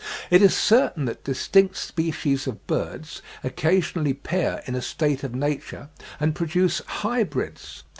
It is certain that distinct species of birds occasionally pair in a state of nature and produce hybrids.